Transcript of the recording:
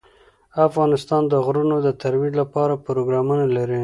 افغانستان د غرونه د ترویج لپاره پروګرامونه لري.